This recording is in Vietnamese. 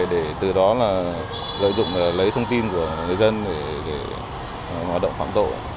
để từ đó lợi dụng lấy thông tin của người dân để hoạt động phám tội